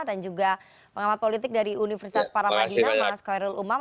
dan juga pengamat politik dari universitas paramahina bang skoyrul umam